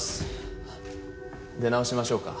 あっ出直しましょうか？